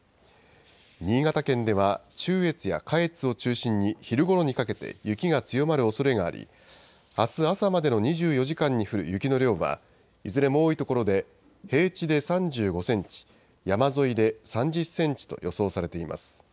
新潟県では、中越や下越を中心に昼ごろにかけて雪が強まるおそれがあり、あす朝までの２４時間に降る雪の量は、いずれも多い所で平地で３５センチ、山沿いで３０センチと予想されています。